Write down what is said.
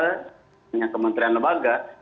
hanya kementrian lebaga